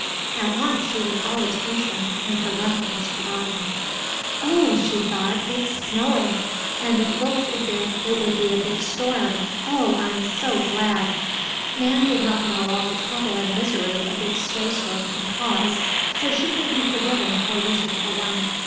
At once she was all attention, and her lesson was forgotten. "Oh!" she thought, "it's snowing! And it looks as if it would be a big storm. Oh, I'm so glad!" Nan did not know all the trouble and misery a big snow storm can cause, so she may be forgiven for wishing for one.